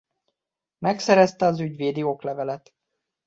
Megszerezte az ügyvédi oklevelet.